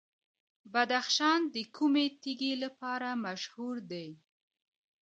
بدخشان د کومې تیږې لپاره مشهور دی؟